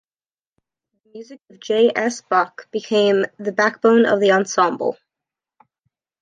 The music of J. S. Bach became the backbone of the ensemble.